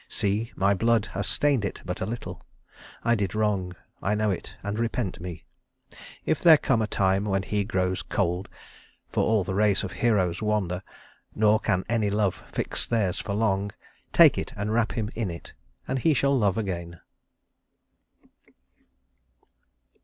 See, my blood Has stained it but a little. I did wrong; I know it, and repent me. If there come A time when he grows cold for all the race Of heroes wander, nor can any love Fix theirs for long take it and wrap him in it, And he shall love again."